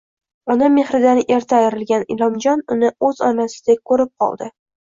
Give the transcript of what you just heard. Ona mehridan erta ayrilgan Inomjon uni o`z onasidek ko`rib qoldi